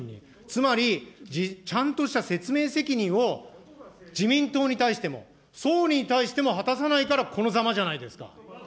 つまり、ちゃんとした説明責任を、自民党に対しても、総理に対しても果たさないから、このざまじゃないですか。